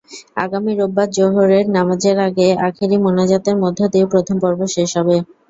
আগামী রোববার জোহরের নামাজের আগে আখেরি মোনাজাতের মধ্য দিয়ে প্রথম পর্ব শেষ হবে।